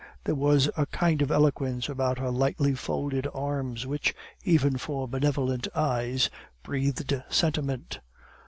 There was a kind of eloquence about her lightly folded arms, which, even for benevolent eyes, breathed sentiment.